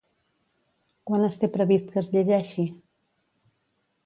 Quan es té previst que es llegeixi?